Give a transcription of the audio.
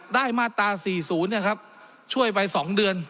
ได้มาตรา๔๐ช่วยไป๒เดือน